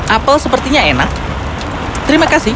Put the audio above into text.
apel sepertinya enak terima kasih